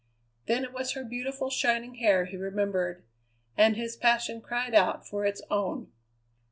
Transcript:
Then it was her beautiful shining hair he remembered, and his passion cried out for its own.